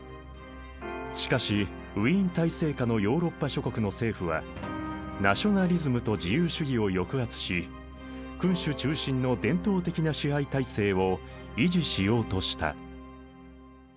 しかしウィーン体制下のヨーロッパ諸国の政府はナショナリズムと自由主義を抑圧し君主中心の伝統的な支配体制を維持しようとした。